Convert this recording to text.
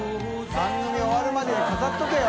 番組終わるまで飾っとけよ。